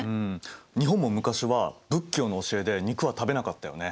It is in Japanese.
日本も昔は仏教の教えで肉は食べなかったよね。